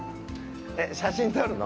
えっ、写真撮るの？